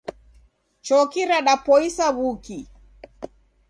Choki radapoisa w'uki.